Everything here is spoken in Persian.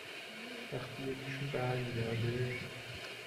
وقتی یکیشون بر می گرده